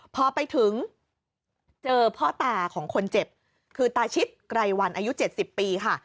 พอไปถึงเจอพ่อตาของคนเจ็บคือตาชิดไกรวันอายุ๗๐ปีค่ะ